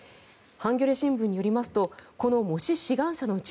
ハンギョレ新聞によりますとこの模試志願者のうち